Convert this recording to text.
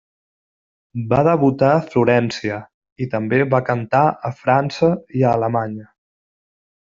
Va debutar a Florència, i també va cantar a França i Alemanya.